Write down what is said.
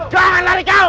jangan lari kau